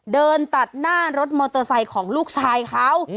เดินตัดหน้ารถมอเตอร์ไซค์ของลูกชายเขา